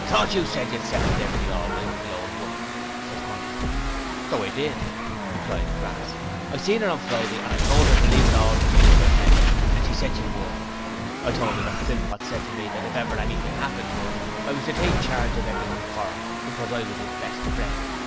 'I thought you said you had settled everything all right with the old woman?' said Hunter. 'So I did,' replied Crass. 'I seen 'er on Friday, and I told 'er to leave it all to me to attend to, and she said she would. I told 'er that Philpot said to me that if ever anything 'appened to 'im I was to take charge of everything for 'er, because I was 'is best friend.